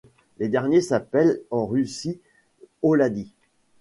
Les derniers s'appellent en russe oladi.